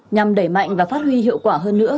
nhằm đẩy mạnh và phát huy hiệu quả hơn nữa